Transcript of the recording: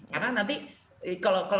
karena nanti kalau mereka bisa mereka bisa